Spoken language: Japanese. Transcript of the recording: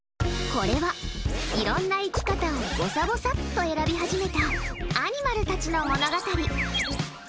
これは、いろんな生き方をぼさぼさっと選び始めたアニマルたちの物語。